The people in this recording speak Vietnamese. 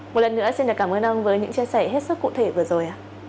một lần nữa xin cảm ơn ông với những chia sẻ hết sức cụ thể vừa rồi ạ